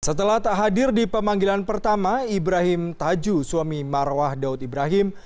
setelah tak hadir di pemanggilan pertama ibrahim tajuh suami marwah daud ibrahim